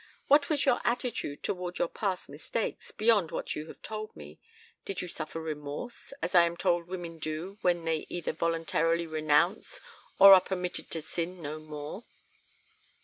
What was your attitude toward your past mistakes beyond what you have told me? Did you suffer remorse, as I am told women do when they either voluntarily renounce or are permitted to sin no more?"